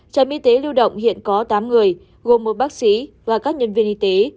trạm y tế lưu động hiện có tám người gồm một bác sĩ và các nhân viên y tế